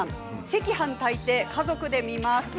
赤飯炊いて、家族で見ます。